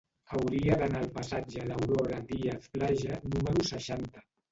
Hauria d'anar al passatge d'Aurora Díaz Plaja número seixanta.